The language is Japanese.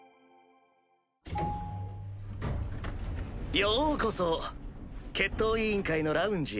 ようこそ決闘委員会のラウンジへ。